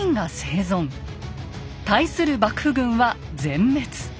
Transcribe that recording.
対する幕府軍は全滅。